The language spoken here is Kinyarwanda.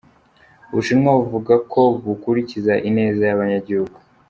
Ubushinwa buvuga ko bukurikiza ineza y'abanyagihugu.